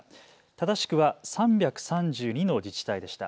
正しくは３３２の自治体でした。